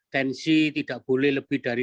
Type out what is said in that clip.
tensi tidak boleh lebih dari satu ratus empat puluh